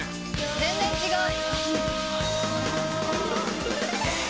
全然違う。